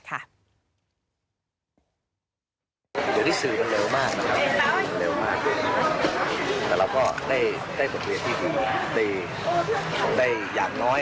ทั้งเรื่องดีและร่วมเบดั่ีสู้สีมีรกฏกตุ่มหมานาดงน่ะ